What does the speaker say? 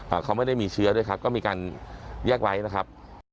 เขาไม่ได้มีเชื้อด้วยครับก็มีการแยกไว้นะครับ